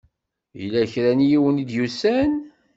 Yella kra n yiwen i d-yusan?